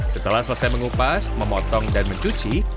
setelah selesai mengupas memotong dan mencuci